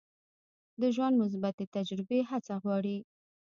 د ژوند مثبتې تجربې هڅه غواړي.